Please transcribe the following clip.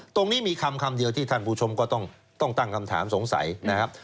ตรงนี้มีคำเดียวที่ท่านผู้ชมก็ต้องตั้งคำถามสงสัยนะครับ